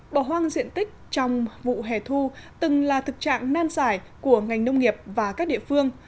bỏ hoang diện tích trong vụ hè thu từng là thực trạng nan giải của ngành nông nghiệp và các địa phương